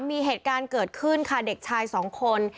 มีเหตุการณ์เกิดขึ้นค่ะเด็กชายสองคน